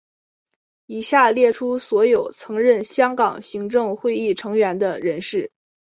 以下列出所有曾任香港行政会议成员的人士。